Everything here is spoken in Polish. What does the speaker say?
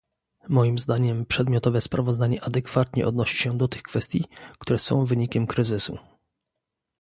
Moim zdaniem przedmiotowe sprawozdanie adekwatnie odnosi się do tych kwestii, które są wynikiem kryzysu